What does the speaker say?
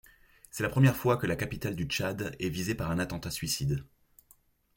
C'est la première fois que la capitale du Tchad est visée par un attentat-suicide.